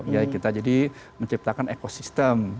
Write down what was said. ya kita jadi menciptakan ekosistem